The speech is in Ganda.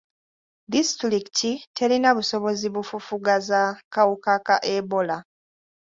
Disitulikiti terina busobozi bufufugaza kawuka ka Ebola.